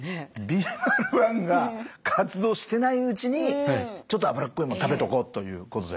ビーマル１が活動してないうちにちょっと脂っこいもの食べとこうということで。